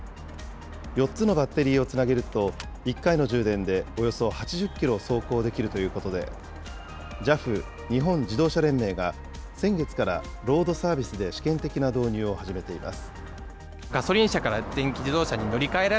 ４つのバッテリーをつなげると、１回の充電でおよそ８０キロ走行できるということで、ＪＡＦ・日本自動車連盟が、先月からロードサービスで試験的な導入を始めています。